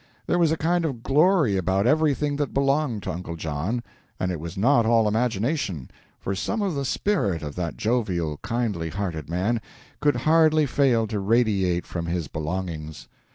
There was a kind of glory about everything that belonged to Uncle John, and it was not all imagination, for some of the spirit of that jovial, kindly hearted man could hardly fail to radiate from his belongings.